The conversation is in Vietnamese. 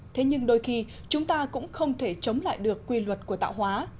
thế nhưng đôi khi chúng ta cũng không thể chống lại được quy luật của tạo hóa